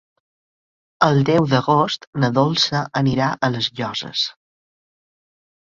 El deu d'agost na Dolça anirà a les Llosses.